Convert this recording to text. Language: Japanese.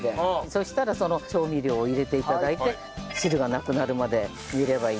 そしたらその調味料を入れて頂いて汁がなくなるまで煮ればいいんですけど。